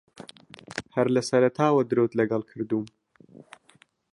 ھەر لە سەرەتاوە درۆت لەگەڵ کردووم.